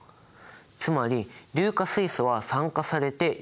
つまり硫化水素は酸化されて硫黄に。